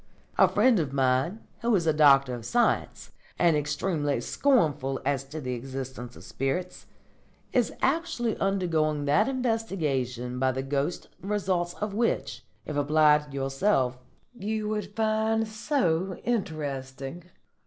A friend of mine, who is a Doctor of Science, and extremely scornful as to the existence of spirits, is actually undergoing that investigation by the ghosts the results of which, if applied to yourself, you would find so interesting.